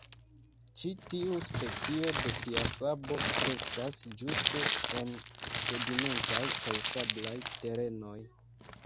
Ĉi tiu specio de piasabo kreskas ĝuste en sedimentaj kaj sablaj terenoj.